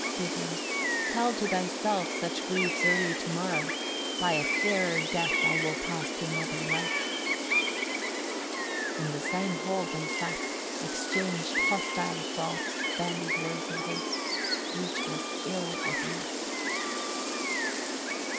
Gudrun. 85. Tell to thyself such griefs early to morrow: by a fairer death I will pass to another light. 86. In the same hall they sat, exchanged hostile thoughts, bandied words of hate: each was ill at ease.